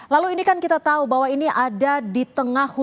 lalu ini kan kita tahu bahwa ini ada di tengah hujan